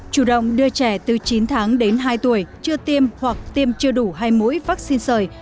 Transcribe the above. chủ động đưa trẻ từ chín tháng đến hai tuổi chưa tiêm hoặc tiêm chưa đủ hai mũi vaccine sởi